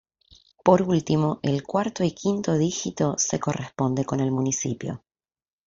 Por último, el cuarto y quinto dígito se corresponde con el municipio.